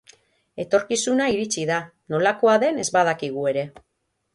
Etorkizuna iritsi da, nolakoa den ez badakigu ere.